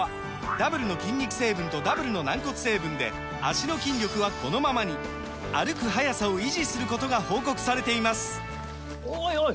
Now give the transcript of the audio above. ダブルの筋肉成分とダブルの軟骨成分で脚の筋力はこのままに歩く速さを維持することが報告されていますおいおい！